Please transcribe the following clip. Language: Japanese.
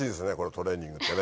トレーニングってね。